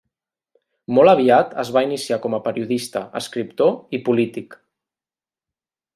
Molt aviat es va iniciar com a periodista, escriptor i polític.